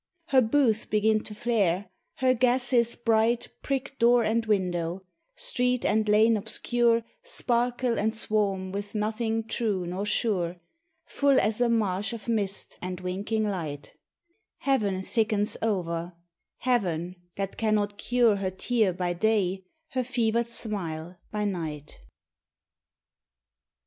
Her booths begin to flare; her gases bright Prick door and window; street and lane obscure Sparkle and swarm with nothing true nor sure, Full as a marsh of mist and winking light: Heaven thickens over, heaven that cannot cure Her tear by day, her fevered smile by night.